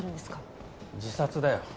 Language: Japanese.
自殺だよ。